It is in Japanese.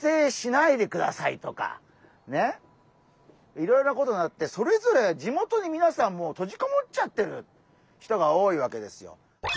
いろいろなことがあってそれぞれ地元にみなさん閉じこもっちゃってる人が多いわけですよ。